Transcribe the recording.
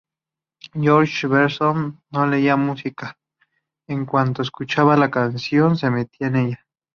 George Benson no leía música, en cuanto escuchaba la canción se metía en ella.